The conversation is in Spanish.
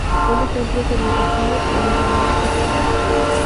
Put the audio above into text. Un ejemplo es El Desafío, en Isla Mágica, Sevilla.